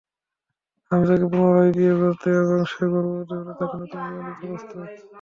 আমি তাকে পুনরায় বিয়ে করতে এবং সে গর্ভবতী হলেও তাকে নতুন জীবন দিতে প্রস্তুত।